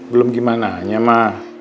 belum gimana hanya ma